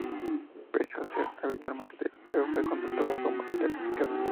Pese a ser habitualmente delantero, fue contratado como lateral izquierdo.